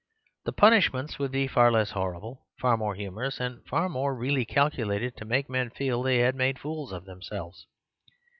The punishments would be far less horrible, far more humorous, and far more really calculated to make men feel they had made fools of themselves.